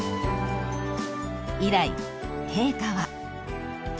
［以来陛下は］